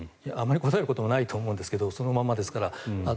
あまり答えることもないと思うんですがそのままですから。